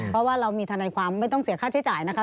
เพราะว่าเรามีทนายความไม่ต้องเสียค่าใช้จ่ายนะคะ